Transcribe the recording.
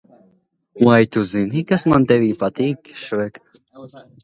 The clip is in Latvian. Vai tu zini kas man tevī patīk, Šrek?